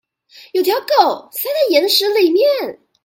有條狗塞在岩石裡面